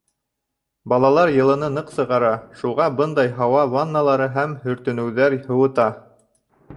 Балалар йылыны ныҡ сығара, шуға бындай һауа ванналары һәм һөртөнөүҙәр һыуыта.